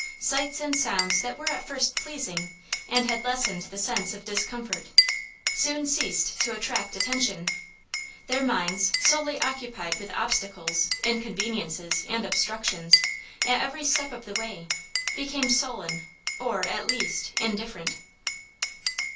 Sights and sounds that were at first pleasing, and had lessened the sense of discomfort, soon ceased to attract attention. Their minds, solely occupied with obstacles, inconveniences, and obstructions, at every step of the way, became sullen, or, at least, indifferent.